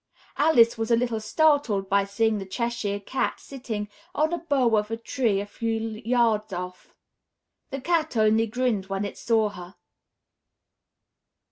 Alice was a little startled by seeing the Cheshire Cat sitting on a bough of a tree a few yards off. The Cat only grinned when it saw her.